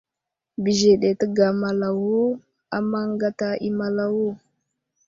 Bəzeɗe təgamalawo a maŋ gata i malawo.